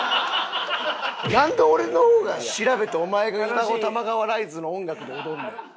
なんで俺の方が調べてお前が二子玉川ライズの音楽で踊んねん。